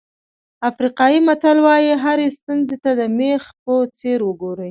افریقایي متل وایي هرې ستونزې ته د مېخ په څېر وګورئ.